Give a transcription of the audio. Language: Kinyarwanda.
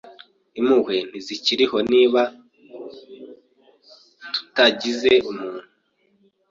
Impuhwe ntizikiriho Niba tutagize umuntu